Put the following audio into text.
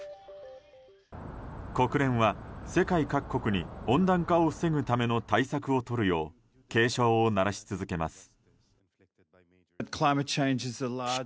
国連は世界各国に温暖化を防ぐための対策をとるよう警鐘を鳴らし続けます。